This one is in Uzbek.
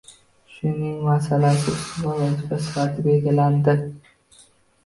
Shuning masalasi ustuvor vazifa sifatida belgilandi.